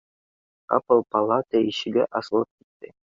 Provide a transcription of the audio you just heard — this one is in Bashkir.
Ҡапыл палата ишеге асылып китте